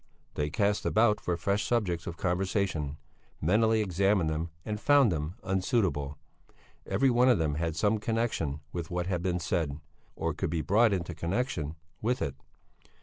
They cast about for fresh subjects of conversation, mentally examined them and found them unsuitable; every one of them had some connexion with what had been said, or could be brought into connexion with it.